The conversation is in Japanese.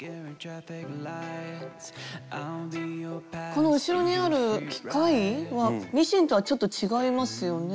この後ろにある機械はミシンとはちょっと違いますよね？